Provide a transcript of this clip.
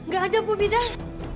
gak ada bu bidan